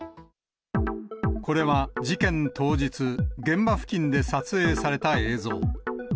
これは事件当日、現場付近で撮影された映像。